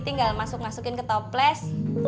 tinggal masuk masukin ke toples